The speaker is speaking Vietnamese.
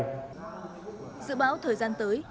dự báo thời gian tới